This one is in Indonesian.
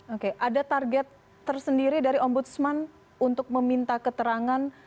oke ada target tersendiri dari ombudsman untuk meminta keterangan